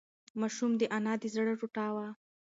ماشوم د انا د زړه ټوټه وه.